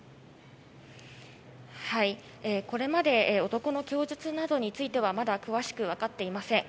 これまで男の供述などについてはまだ詳しく分かっていません。